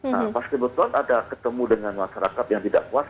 nah pas kebetulan ada ketemu dengan masyarakat yang tidak puas